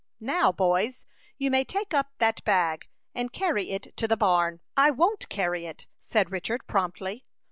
Now, boys, you may take up that bag, and carry it to the barn." "I won't carry it," said Richard, promptly.